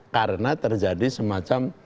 karena terjadi semacam